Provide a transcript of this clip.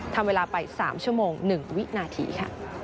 ทำเวลาไป๓ชั่วโมง๑วินาทีค่ะ